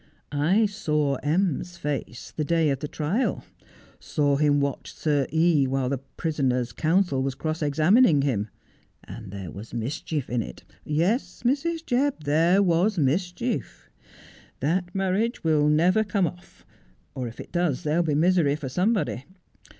I saw M.'s face the day of the trial — saw him watch Sir E. while the prisoner's counsel was cross examining him, and there was mischief in it. Yes, Mrs. Jebb, there was mischief. That marriage will never come off, or if it does there'll be misery for somebody.